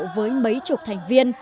với mấy chục thành viên